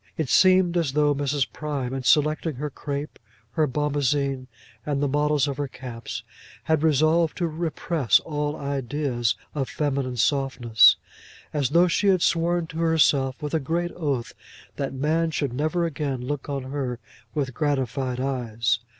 It seemed as though Mrs. Prime in selecting her crape, her bombazine, and the models of her caps, had resolved to repress all ideas of feminine softness; as though she had sworn to herself, with a great oath, that man should never again look on her with gratified eyes.